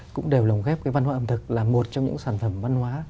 cũng đều lồng ghép cái văn hóa ẩm thực là một trong những sản phẩm văn hóa